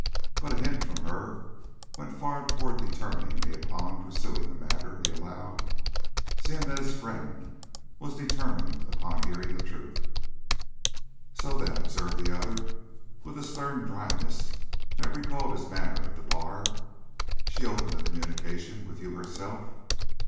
But a hint from her went far toward determining me upon pursuing the matter," he allowed, seeing that his friend was determined upon hearing the truth. "So then," observed the other, with a stern dryness that recalled his manner at the bar, "she opened a communication with you herself?"